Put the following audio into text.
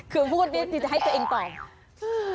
คือพวกนี้จะให้ตัวเองตอบ